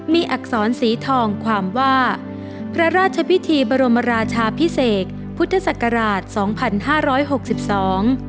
มีอักษรสีทองความว่าพระราชพิธีบรมราชาพิเศษพุทธศักราชสองพันห้าร้อยหกสิบสอง